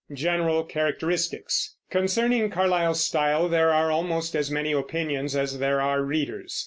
GENERAL CHARACTERISTICS. Concerning Carlyle's style there are almost as many opinions as there are readers.